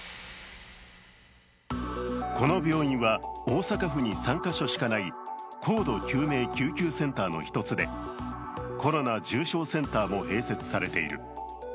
この病院は、大阪府に３か所しかない高度救命救急センターの一つで、コロナ重症センターも併設されている。